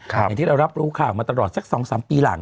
อย่างที่เรารับรู้ข่าวมาตลอดสัก๒๓ปีหลัง